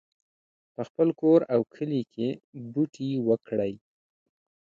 په خپل کور او کلي کې بوټي وکرئ